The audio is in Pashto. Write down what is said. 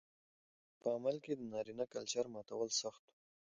ځکه په عمل کې د نارينه کلچر ماتول سخت و